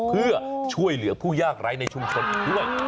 เพื่อช่วยเหลือผู้ยากไร้ในชุมชนอีกด้วย